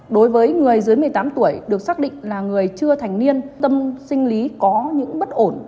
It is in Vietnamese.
đối với người dưới một mươi tám tuổi được xác định là người chưa thành niên tâm sinh lý có những bất ổn